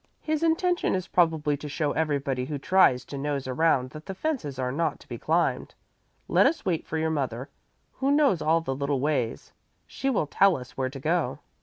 "His intention is probably to show everybody who tries to nose around that the fences are not to be climbed. Let us wait for your mother, who knows all the little ways. She will tell us where to go."